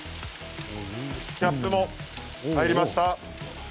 キャップも入りました。